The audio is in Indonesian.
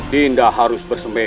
dinda harus bersemedi